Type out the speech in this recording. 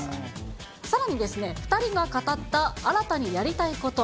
さらに、２人が語った新たにやりたいこと。